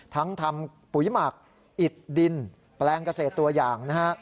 ทำปุ๋ยหมักอิดดินแปลงเกษตรตัวอย่างนะฮะ